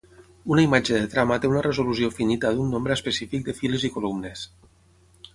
Una imatge de trama té una resolució finita d'un nombre específic de files i columnes.